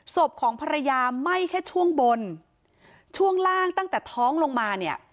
ศพของภรรยาไหม้แค่ช่วงบนช่วงล่างตั้งแต่ท้องลงมาเนี่ย